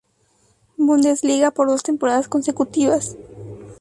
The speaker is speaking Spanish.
Bundesliga por dos temporadas consecutivas.